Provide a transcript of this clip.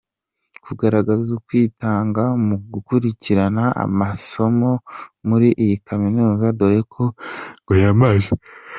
kugaragaza ukwitanga mu gukurikirana amasomo muri iyi kaminuza dore ko ngo yamaze.